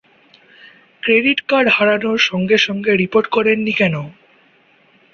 Credit card হারানোর সঙ্গে সঙ্গে রিপোর্ট করেননি কেন?